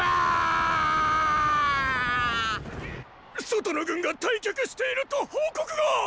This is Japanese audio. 外の軍が退却していると報告が！